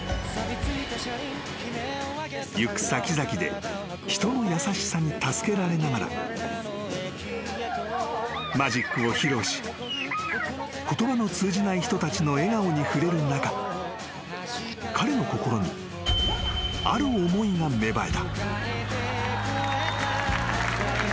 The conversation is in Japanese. ［行く先々で人の優しさに助けられながらマジックを披露し言葉の通じない人たちの笑顔に触れる中彼の心にある思いが芽生えた］